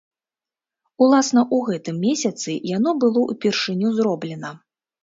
Уласна ў гэтым месяцы яно было ўпершыню зроблена.